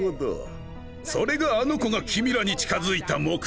それがあの子がきみらに近づいた目てきか。